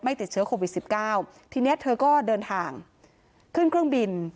ติดเชื้อโควิดสิบเก้าทีนี้เธอก็เดินทางขึ้นเครื่องบิน